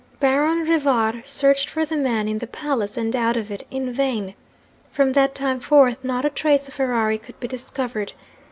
Baron Rivar searched for the man, in the palace and out of it, in vain. From that time forth not a trace of Ferrari could be discovered.